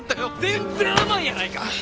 全然甘いやないか！